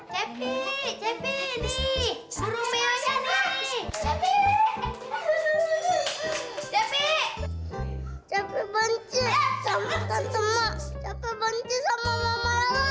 cepi cepi nih burungnya nih cepi cepi cepi benci sama sama capek benci sama mama lelah